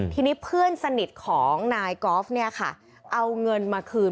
ทีนี้เพื่อนสนิทของนายกอล์ฟเนี่ยค่ะเอาเงินมาคืน